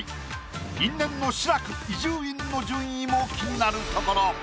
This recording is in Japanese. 因縁の志らく伊集院の順位も気になるところ。